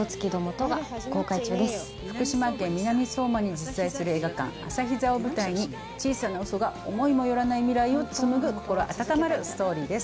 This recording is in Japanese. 福島県南相馬に実在する映画館朝日座を舞台に小さなウソが思いも寄らない未来を紡ぐ心温まるストーリーです。